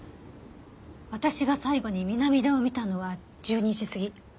私が最後に南田を見たのは１２時過ぎ。